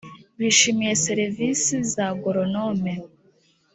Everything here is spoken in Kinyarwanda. bishimiye serivisi za agoronome